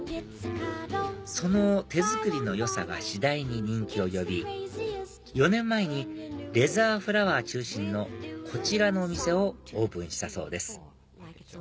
その手作りのよさが次第に人気を呼び４年前にレザーフラワー中心のこちらのお店をオープンしたそうです